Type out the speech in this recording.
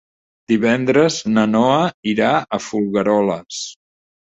Divendres na Noa irà a Folgueroles.